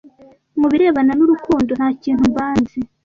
mu birebana n urukundo ntakintu mbanzi